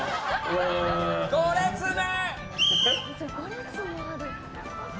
５列目！